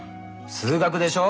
数学でしょ？